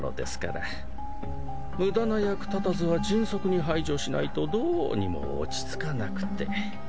無駄な役立たずは迅速に排除しないとどうにも落ち着かなくて。